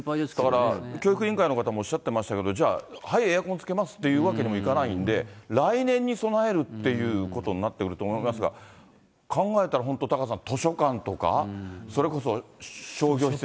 だから教育委員会の方もおっしゃってましたけど、じゃあ、はい、エアコンつけますっていうわけにもいかないんで、来年に備えるっていうことになってくると思いますが、考えたら、本当、タカさん、図書館とか、それこそ商業施設。